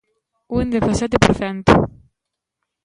¡Un dezasete por cento!